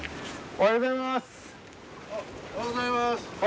おはようございます！